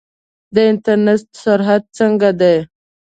د انټرنیټ سرعت څنګه دی؟